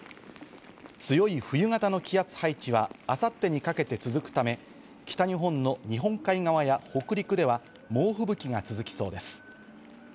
強い冬型の気圧配置は明後日にかけて続くため、北日本の日本海側や北陸では猛吹雪が続きそうです。